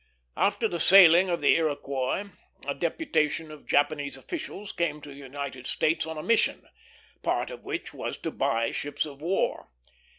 After the sailing of the Iroquois, a deputation of Japanese officials came to the United States on a mission, part of which was to buy ships of war.